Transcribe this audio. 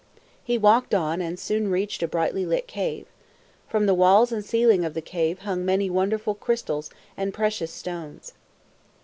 He walked on and soon reached a brightly lighted cave. From the walls and ceiling of the cave hung many wonderful crystals and precious stones.